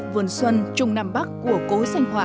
vườn xuân trung nam bắc của cối sanh họa